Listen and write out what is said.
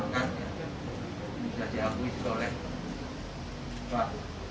ini jajah aku ini jajah oleh